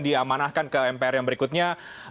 diamanahkan ke mpr yang berikutnya